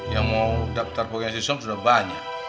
yang mau daftar pokoknya si sulam sudah banyak